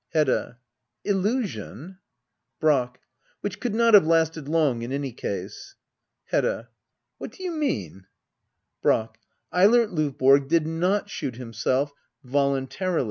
Hedda. Illusion ? Brack. Which could not have lasted long in any case. Hedda. What do you mean ? Brack. Eilert Lovborg did not shoot himself— volun tarily.